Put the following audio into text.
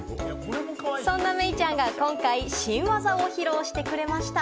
そんなメイちゃんが今回、新技を披露してくれました。